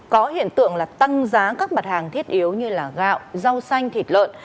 có hiện tượng là tăng giá các mặt hàng thiết yếu như gạo rau xanh thịt lợn